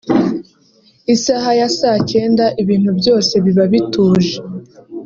Isaha ya saa cyenda ibintu byose biba bituje